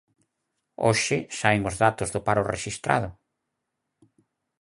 Hoxe saen os datos do paro rexistrado.